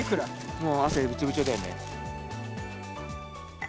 もう汗びちょびちょだよね。